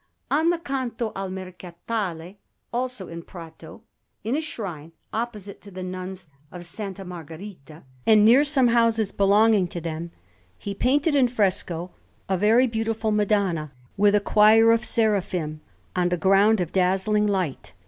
On the Canto al Mercatale, also in Prato, in a shrine opposite to the Nuns of S. Margherita, and near some houses belonging to them, he painted in fresco a very beautiful Madonna, with a choir of seraphim, on a ground of dazzling light.